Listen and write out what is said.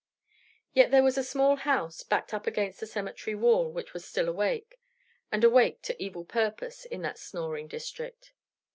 Yet there was a small house, backed up against the cemetery wall, which was still awake, and awake to evil purpose, in that snoring district.